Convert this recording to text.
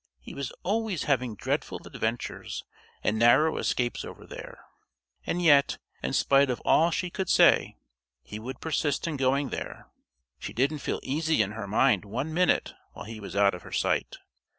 He was always having dreadful adventures and narrow escapes over there, and yet, in spite of all she could say, he would persist in going there. She didn't feel easy in her mind one minute while he was out of her sight.